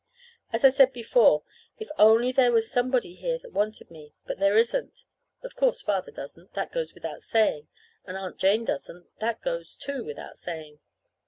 As I said before, if only there was somebody here that wanted me. But there isn't. Of course Father doesn't. That goes without saying. And Aunt Jane doesn't. That goes, too, without saying.